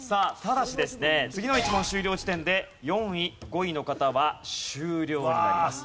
次の１問終了時点で４位５位の方は終了になります。